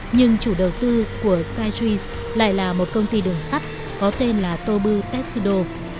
nhưng chủ đầu tư của skytreas lại là một công ty đường sắt có tên là tobu tetsudo